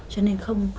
cho nên không